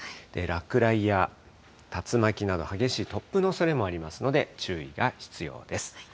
落雷や竜巻など、激しい突風のおそれもありますので、注意が必要です。